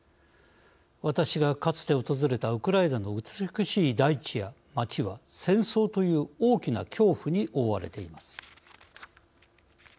私がかつて訪れたウクライナの美しい大地や街は戦争という大きな恐怖に覆われています。